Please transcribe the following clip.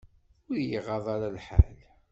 Ur y-iɣaḍ ara lḥal.